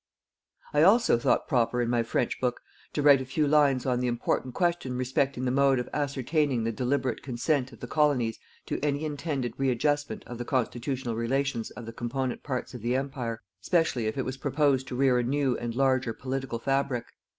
I also thought proper in my French book to write a few lines on the important question respecting the mode of ascertaining the deliberate consent of the Colonies to any intended readjustment of the constitutional relations of the component parts of the Empire, specially if it was proposed to rear a new and larger political fabric.